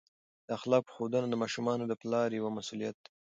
د اخلاقو ښودنه د ماشومانو د پلار یوه مسؤلیت دی.